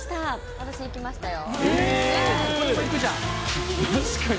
私行きましたよ。